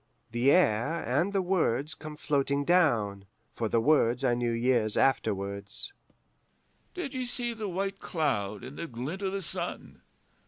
The air and the words come floating down (for the words I knew years afterwards): 'Did ye see the white cloud in the glint o' the sun?